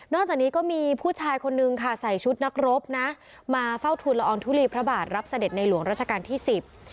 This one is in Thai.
จากนี้ก็มีผู้ชายคนนึงค่ะใส่ชุดนักรบนะมาเฝ้าทุนละอองทุลีพระบาทรับเสด็จในหลวงราชการที่สิบ